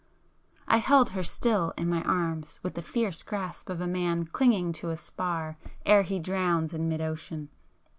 I held her still in my arms with the fierce grasp of a man clinging to a spar ere he drowns in mid ocean.